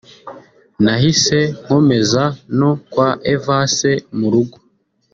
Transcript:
nahise nkomeza no kwa Evase mu rugo